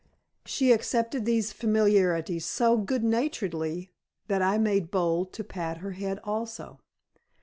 She accepted these familiarities so good naturedly that I made bold to pat her head also.